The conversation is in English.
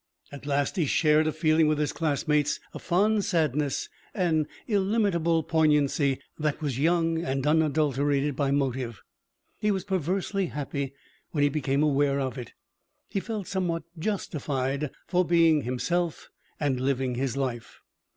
At last he shared a feeling with his classmates, a fond sadness, an illimitable poignancy that was young and unadulterated by motive. He was perversely happy when he became aware of it. He felt somewhat justified for being himself and living his life.